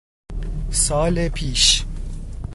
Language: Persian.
سال پیش